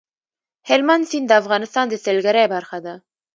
هلمند سیند د افغانستان د سیلګرۍ برخه ده.